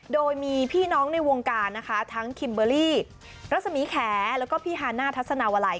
โดยมีพี่น้องในวงการนะคะทั้งคิมเบอร์รี่รัศมีแขแล้วก็พี่ฮาน่าทัศนาวลัย